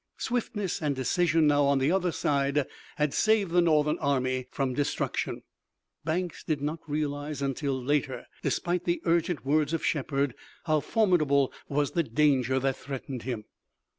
Swiftness and decision now on the other side had saved the Northern army from destruction. Banks did not realize until later, despite the urgent words of Shepard, how formidable was the danger that threatened him.